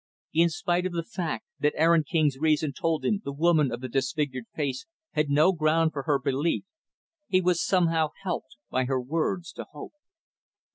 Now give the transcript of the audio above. In spite of the fact that Aaron King's reason told him the woman of the disfigured face had no ground for her belief, he was somehow helped, by her words, to hope.